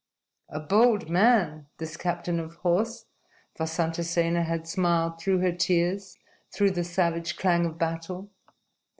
"A bold man, this captain of horse!" Vasantasena had smiled through her tears, through the savage clang of battle.